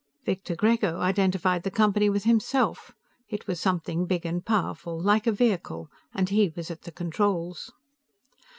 Victor Grego identified the Company with himself. It was something big and powerful, like a vehicle, and he was at the controls.